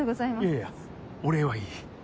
いやいやお礼はいい。